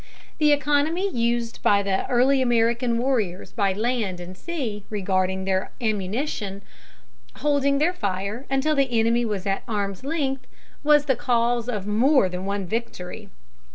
] The economy used by the early American warriors by land and sea regarding their ammunition, holding their fire until the enemy was at arm's length, was the cause of more than one victory.